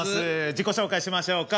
自己紹介しましょうか。